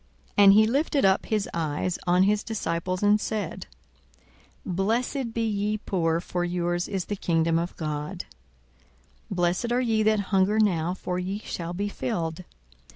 42:006:020 And he lifted up his eyes on his disciples, and said, Blessed be ye poor: for yours is the kingdom of God. 42:006:021 Blessed are ye that hunger now: for ye shall be filled.